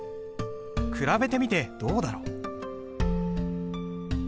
比べてみてどうだろう。